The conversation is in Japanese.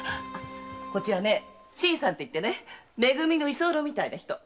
こちら新さんっていってめ組の居候みたいな人。